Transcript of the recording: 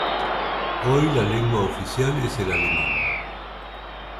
Hoy la lengua oficial es el alemán.